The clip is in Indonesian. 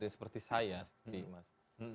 seperti saya seperti mas